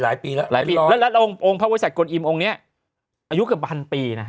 และรัฐองค์ชาติกรรมงานอิมส์กรรมงานนี้อายุเกือบพันธุ์ปีนะครับ